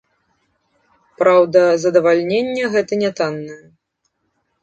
Праўда, задавальненне гэта нятаннае.